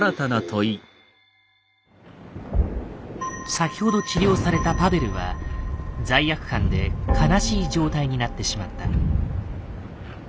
先ほど治療されたパヴェルは罪悪感で「悲しい」状態になってしまった。